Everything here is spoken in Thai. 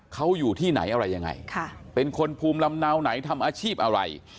เขาอยู่ที่ไหนอะไรยังไงเป็นคนภูมิลำเนาไหนทำอาชีพอะไร